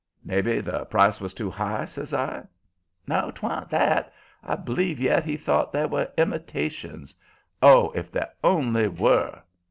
"Maybe the price was too high," says I. "No, 'twa'n't that. I b'lieve yet he thought they were imitations. Oh, if they only were!"